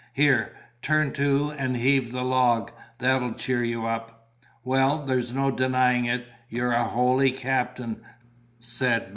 Here; turn to and heave the log; that'll cheer you up." "Well, there's no denying it, you're a holy captain," said Mac.